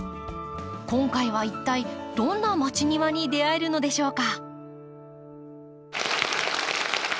今回は一体どんなまちニワに出会えるのでしょうか？